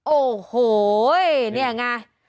โอ้โหนี่ไง